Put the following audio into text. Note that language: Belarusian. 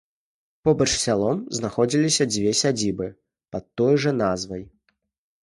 Побач з сялом знаходзіліся дзве сядзібы пад той жа назвай.